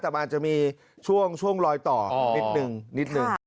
แต่มันอาจจะมีช่วงลอยต่อนิดนึง